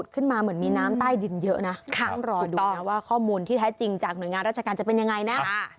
ค้างรอดูนะว่าข้อมูลที่แท้จริงจากหน่วยงานราชการจะเป็นยังไงนะ